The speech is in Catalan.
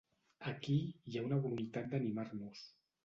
Aquí hi ha una voluntat d’animar-nos.